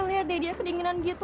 lihat deh dia kedinginan gitu